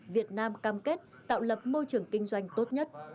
việt nam cam kết tạo lập môi trường kinh doanh tốt nhất